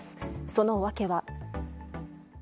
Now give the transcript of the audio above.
その訳は。